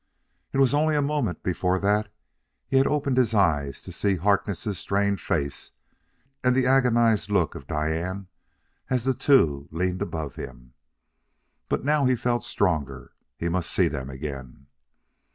It was only a moment before that he had opened his eyes to see Harkness' strained face and the agonized look of Diane as the two leaned above him.... But now he felt stronger. He must see them again....